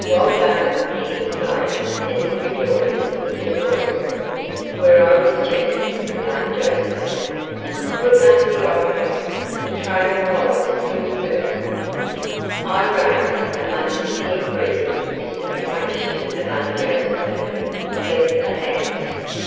"Walter," he exclaimed as he rejoined us in the drawing room, where I was chatting with Aunt Josephine, "we must be off again. The trail follows still further." I rose and much to the increased mystification of Aunt Josephine, left the house.